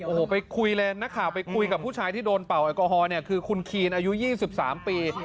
โอ้โหไปคุยเลยนักข่าวไปคุยกับผู้ชายที่โดนเป่าแอลกอฮอลเนี่ยคือคุณคีนอายุ๒๓ปี